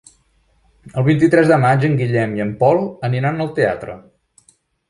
El vint-i-tres de maig en Guillem i en Pol aniran al teatre.